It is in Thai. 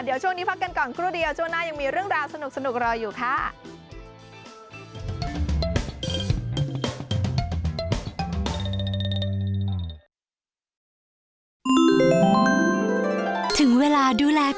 เดี๋ยวช่วงนี้พักกันก่อนครู่เดียวช่วงหน้ายังมีเรื่องราวสนุกรออยู่ค่ะ